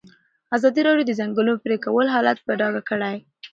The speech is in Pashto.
ازادي راډیو د د ځنګلونو پرېکول حالت په ډاګه کړی.